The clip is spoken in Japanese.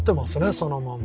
そのまんま。